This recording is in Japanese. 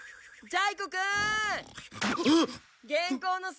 ジャイ子！